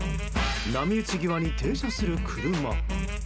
波打ち際に停車する車。